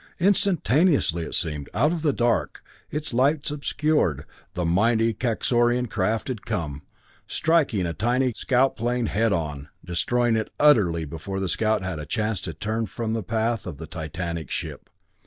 Instantaneously, it seemed, out of the dark, its lights obscured, the mighty Kaxorian craft had come, striking a tiny scout plane head on, destroying it utterly before the scout had a chance to turn from the path of the titanic ship.